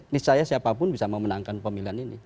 niscaya siapapun bisa memenangkan pemilihan ini